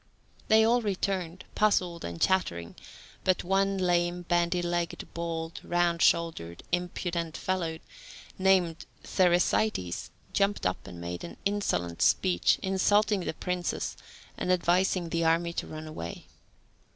They all returned, puzzled and chattering, but one lame, bandy legged, bald, round shouldered, impudent fellow, named Thersites, jumped up and made an insolent speech, insulting the princes, and advising the army to run away.